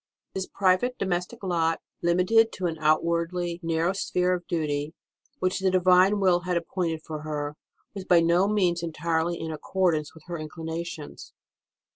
This private domestic lot, limited to an outwardly narrow sphere of duty, which the Divine will had appointed for her, was by no means entirely in accordance with her own inclinations.